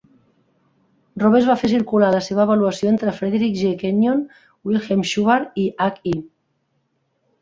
Roberts va fer circular la seva avaluació entre Frederic G. Kenyon, Wilhelm Schubart i H. I.